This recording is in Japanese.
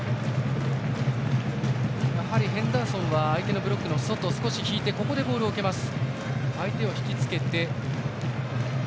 やはりヘンダーソンは相手のブロックの外少し引いて、ボールを受けます。